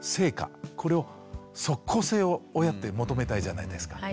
これを即効性を親って求めたいじゃないですか。